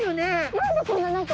何でこんな何か。